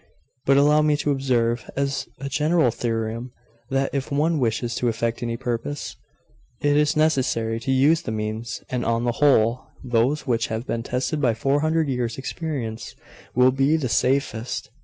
But allow me to observe, as a general theorem, that if one wishes to effect any purpose, it is necessary to use the means; and on the whole, those which have been tested by four hundred years' experience will be the safest.